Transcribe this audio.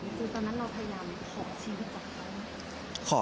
คือตอนนั้นเราพยายามขอชีวิตจากเขา